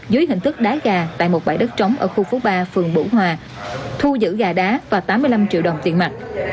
dưới hình thức đá gà tại một bãi đất trống ở khu phố ba phường bủ hòa thu giữ gà đá và tám mươi năm triệu đồng tiền mặt